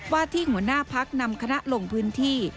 ที่หัวหน้าพักนำคณะลงพื้นที่